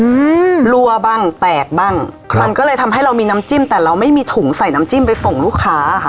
อืมรั่วบ้างแตกบ้างครับมันก็เลยทำให้เรามีน้ำจิ้มแต่เราไม่มีถุงใส่น้ำจิ้มไปส่งลูกค้าค่ะ